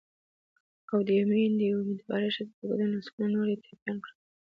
او د یوې امېندوارې ښځې په ګډون لسګونه نور یې ټپیان کړل